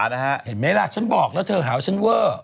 เห็นไหมล่ะฉันบอกแล้วเธอหาว่าฉันเวอร์